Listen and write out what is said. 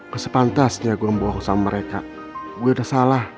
kesepantasnya gue membohong sama mereka